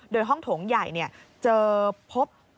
โดยห้องโถงใหญ่เจอพบ